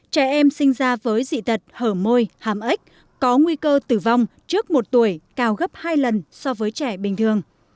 trẻ em sinh ra với dị tật hở môi hàm ếch có nguy cơ tử vong trước một tuổi cao gấp hai lần so với trẻ bình thường